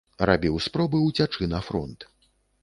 Рабіў спробы ўцячы на фронт.